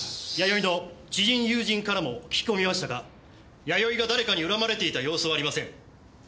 弥生の知人友人からも聞き込みましたが弥生が誰かに恨まれていた様子はありません。